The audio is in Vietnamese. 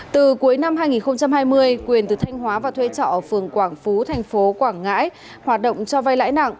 từ cuối năm hai nghìn hai mươi quyền từ thanh hóa và thuê trọ ở phường quảng phú thành phố quảng ngãi hoạt động cho vay lãi nặng